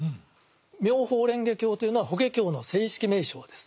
「妙法蓮華経」というのは「法華経」の正式名称です。